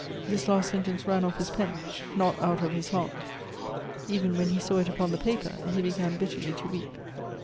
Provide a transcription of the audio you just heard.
This last sentence ran off his pen — not out of his heart. Even when he saw it upon the paper, he began bitterly to weep.